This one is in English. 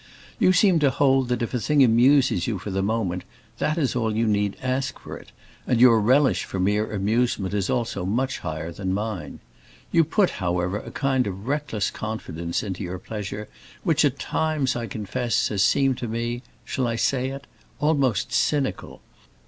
You seem to hold that if a thing amuses you for the moment, that is all you need ask for it, and your relish for mere amusement is also much higher than mine. You put, however, a kind of reckless confidence into your pleasure which at times, I confess, has seemed to me—shall I say it?—almost cynical.